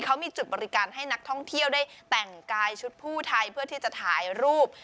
เขามีจุดบริการให้นักท่องเที่ยวได้แต่งกายชุดผู้ไทยเพื่อที่จะถ่ายรูป